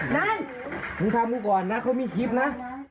นายมึงทำกูก่อนนะเขามีคลิปนะ